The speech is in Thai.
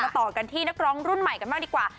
ต่อกันที่นักร้องรุ่นใหม่กันบ้างดีกว่า